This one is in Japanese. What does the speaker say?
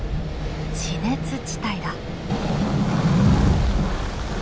地熱地帯だ。